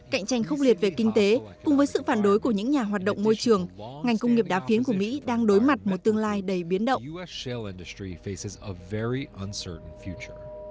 cạnh tranh khốc liệt về kinh tế cùng với sự phản đối của những nhà hoạt động môi trường ngành công nghiệp đá phiến của mỹ đang đối mặt một tương lai đầy biến động